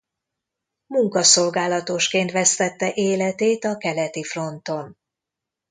Munkaszolgálatosként vesztette életét a keleti fronton.